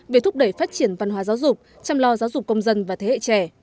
về thúc đẩy phát triển văn hóa giáo dục chăm lo giáo dục công dân và thế hệ trẻ